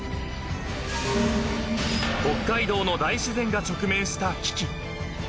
［北海道の大自然が直面した危機］